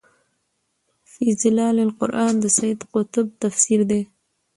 في ظِلال القُرآن د سيد قُطب تفسير دی